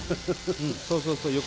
そうそうそう横から。